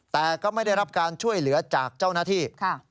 แต่ก็ไม่ได้รับการช่วยเหลือจากเจ้าหน้าที่